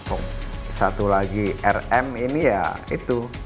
oh satu lagi rm ini ya itu